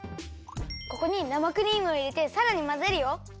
ここに生クリームをいれてさらにまぜるよ。